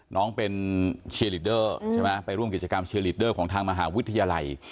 น้องเป็นเชียร์ลีดเดอร์ใช่ไหมไปร่วมกิจกรรมเชียร์ลีดเดอร์ของทางมหาวิทยาลัย